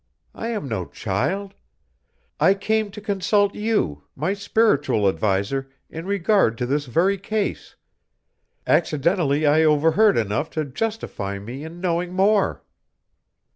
I am no child. I came to consult you my spiritual adviser in regard to this very case. Accidentally I overheard enough to justify me in knowing more."